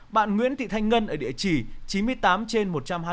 bạn nguyễn thị thanh ngân ở địa chỉ chín mươi tám trên một trăm hai mươi